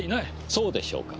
そうでしょうか。